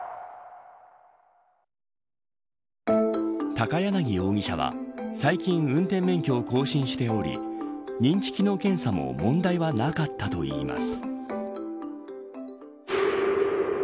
高柳容疑者は最近、運転免許を更新しており認知機能検査も問題はなかったといいます。